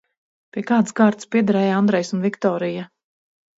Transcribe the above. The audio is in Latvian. Pie kādas kārtas piederēja Andrejs un Viktorija?